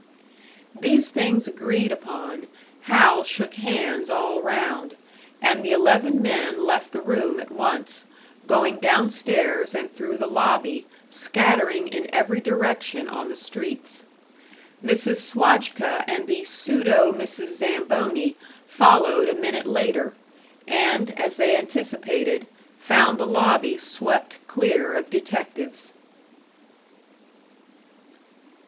These things agreed upon, Hal shook hands all round, and the eleven men left the room at once, going down stairs and through the lobby, scattering in every direction on the streets. Mrs. Swajka and the pseudo Mrs. Zamboni followed a minute later and, as they anticipated, found the lobby swept clear of detectives.